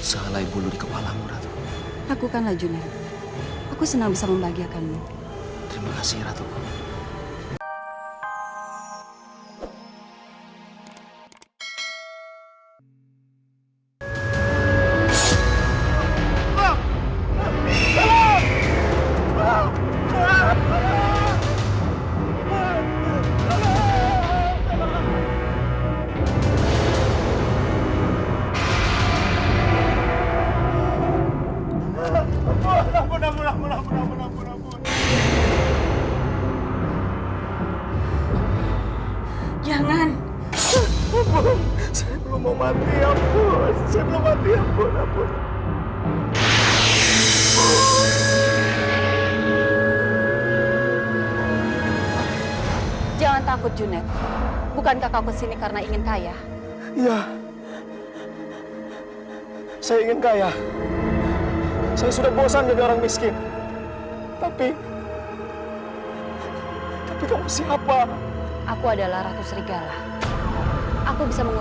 terima kasih ratu